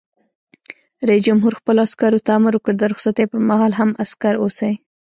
رئیس جمهور خپلو عسکرو ته امر وکړ؛ د رخصتۍ پر مهال هم، عسکر اوسئ!